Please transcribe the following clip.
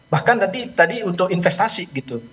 bahkan tadi untuk investasi gitu